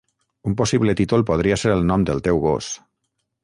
Un possible títol podria ser el nom del teu gos.